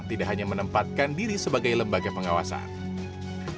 tidak hanya menempatkan diri sebagai lembaga pengawasan